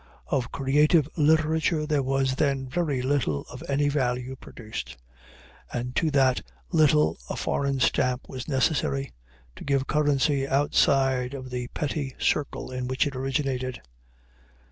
Of creative literature there was then very little of any value produced; and to that little a foreign stamp was necessary, to give currency outside of the petty circle in which it originated.